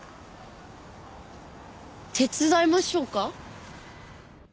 手伝いましょうか？